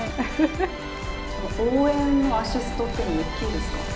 応援のアシストっていうのも大きいですか。